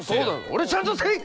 俺ちゃんとせい！